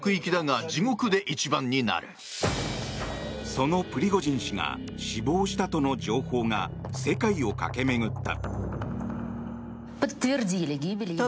そのプリゴジン氏が死亡したとの情報が世界を駆け巡った。